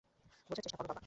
বোঝার চেষ্টা করো, বাবা।